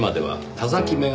田崎眼鏡？